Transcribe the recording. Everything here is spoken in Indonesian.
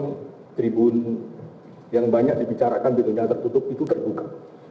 dan tribun yang banyak dibicarakan di dunia tertutup itu terbuka